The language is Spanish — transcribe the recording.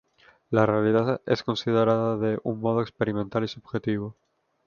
La realidad es considerada de un modo experimental y subjetivo.